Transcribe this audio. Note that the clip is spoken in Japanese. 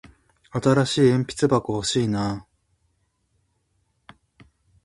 新しい筆箱欲しいな。